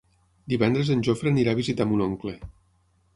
Divendres en Jofre anirà a visitar mon oncle.